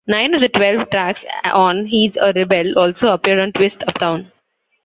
Nine of the twelve tracks on "He's A Rebel" also appeared on "Twist Uptown"